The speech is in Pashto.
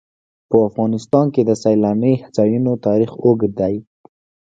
په افغانستان کې د سیلانی ځایونه تاریخ اوږد دی.